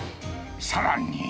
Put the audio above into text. さらに。